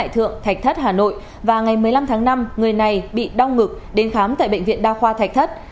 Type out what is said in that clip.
trong một mươi năm tháng năm người này bị đong ngực đến khám tại bệnh viện đa khoa thạch thất